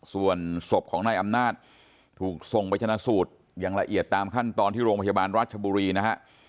ส่วนศพของนายอำนาจถูกส่งไปชนะสูตรอย่างละเอียดตามขั้นตอนที่โรงพยาบาลรัชบุรีนะฮะ